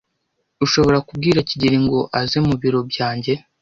Ushobora kubwira kigeli ngo aze mu biro byanjye?